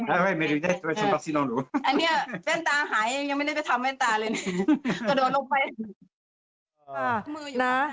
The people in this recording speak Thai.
อันเนี่ยแว่นตาหายยังไม่ได้ไปทำแว่นตาเลยโดดลงลงไป